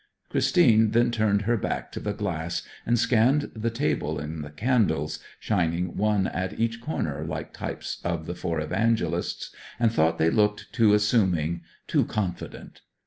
Christine then turned her back to the glass and scanned the table and the candles, shining one at each corner like types of the four Evangelists, and thought they looked too assuming too confident.